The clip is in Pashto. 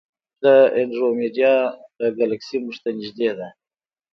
د انډرومیډا ګلکسي موږ ته نږدې ده.